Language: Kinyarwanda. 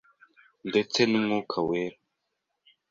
ndetse n’Umwuka Wera